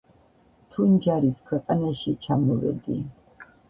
თუნჯარის ქვეყანაში ჩამოვედი.